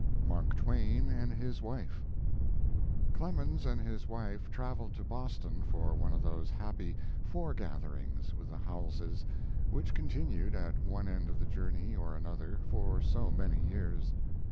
MARK TWAIN AND HIS WIFE Clemens and his wife traveled to Boston for one of those happy fore gatherings with the Howellses, which continued, at one end of the journey or another, for so many years.